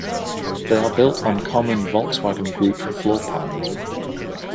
They are built on common Volkswagen Group floorpans.